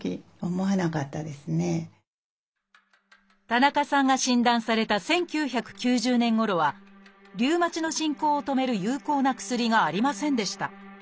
田中さんが診断された１９９０年ごろはリウマチの進行を止める有効な薬がありませんでした。